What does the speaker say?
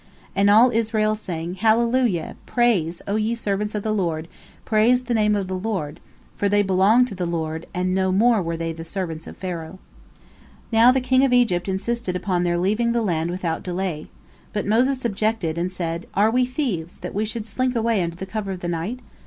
And all Israel sang, "Hallelujah, praise, O ye servants of the Lord, praise the Name of the Lord," for they belonged to the Lord, and no more were the servants of Pharaoh. Now the king of Egypt insisted upon their leaving the land without delay. But Moses objected, and said: "Are we thieves, that we should slink away under cover of the night?